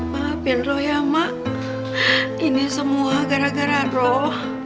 maafin roh ya mak ini semua gara gara roh